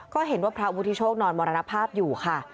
ก็เห็นว่าพระวุฒิโชคนอนมรณภาพอยู่ค่ะ